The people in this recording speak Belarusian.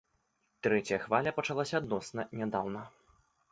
Трэцяя хваля пачалася адносна нядаўна.